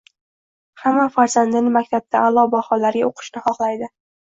Hamma farzandini maktabda a’lo baholarga o’qishini xohlaydi